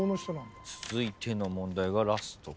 続いての問題がラスト。